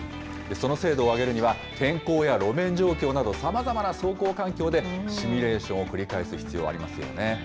その精度を上げるには、天候や路面状況などさまざまな走行環境でシミュレーションを繰り返す必要、ありますよね。